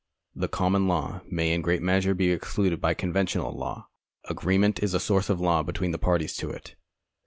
The common law may in great measure be excluded by conventional law. Agreement is a source of law between the parties to it.